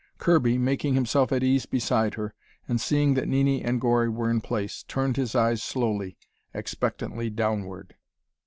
Kirby, making himself at ease beside her, and seeing that Nini and Gori were in place, turned his eyes slowly, expectantly downward.